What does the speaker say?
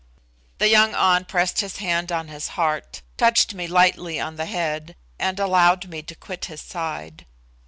The young An pressed his hand on his heart, touched me lightly on the head, and allowed me to quit his side.